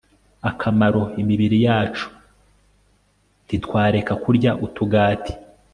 akamaro imibiri yacu Ntitwareka kurya utugati